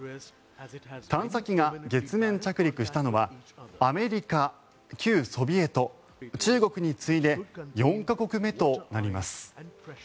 探査機が月面着陸したのはアメリカ、旧ソビエト中国に次いで４か国目となります。